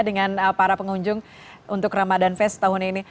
dengan para pengunjung untuk ramadan fest tahun ini